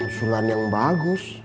usulan yang bagus